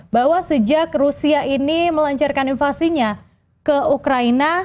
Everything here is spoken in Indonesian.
bahwa sejak rusia ini melancarkan invasinya ke ukraina